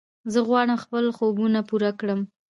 زه غواړم خپل خوبونه پوره کړم.